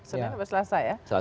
senin apa selasa ya